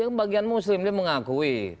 yang bagian muslim dia mengakui